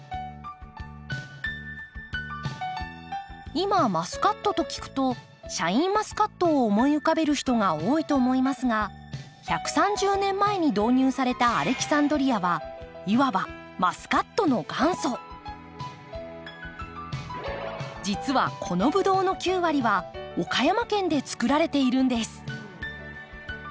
今マスカットと聞くとシャインマスカットを思い浮かべる人が多いと思いますが１３０年前に導入されたアレキサンドリアはいわば実はこのブドウの９割は岡山県でつくられているんです。